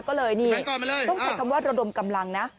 ก็เลยนี่ต้องใช้คำว่าระดมกำลังนะ